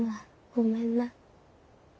ごめんな。